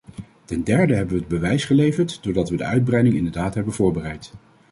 Ten derde hebben we het bewijs geleverd doordat we de uitbreiding inderdaad hebben voorbereid.